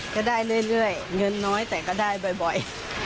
ครับก็ได้เรื่อยเรื่อยเงินน้อยแต่ก็ได้บ่อยบ่อย